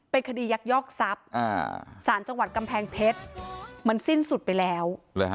เป็นคดียักยอกทรัพย์สารจังหวัดกำแพงเพชรมันสิ้นสุดไปแล้ว